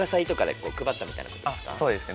あっそうですね。